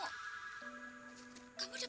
kamu dapat dari